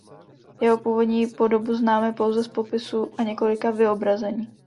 Jeho původní podobu známe pouze z popisu a několika vyobrazení.